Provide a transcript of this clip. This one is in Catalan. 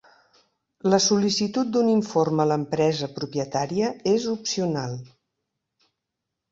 La sol·licitud d'un informe a l'empresa propietària és opcional.